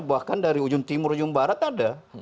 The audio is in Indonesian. bahkan dari ujung timur ujung barat ada